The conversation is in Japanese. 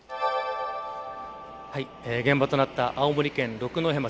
現場となった青森県六戸町。